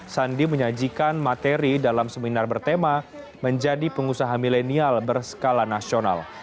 sandi menyajikan materi dalam seminar bertema menjadi pengusaha milenial berskala nasional